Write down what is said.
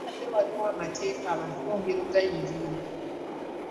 Newankubadde waliwo amateeka abantu bongera okugalinyirira.